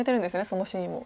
そのシーンを。